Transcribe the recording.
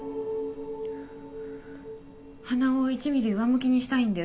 鼻を１ミリ上向きにしたいんです。